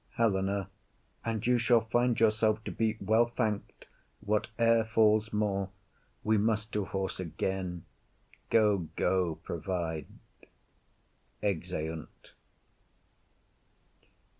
HELENA. And you shall find yourself to be well thank'd, Whate'er falls more. We must to horse again. Go, go, provide. [_Exeunt.